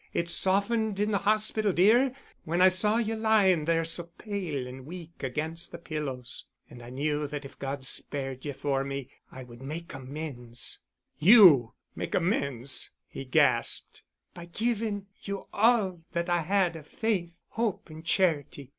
It softened in the hospital, dear, when I saw you lying there so pale and weak against the pillows, and I knew that if God spared you for me I would make amends——" "You—make amends——" he gasped. "By giving you all that I had of faith, hope and charity.